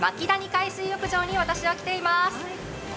海水浴場に私は来ています。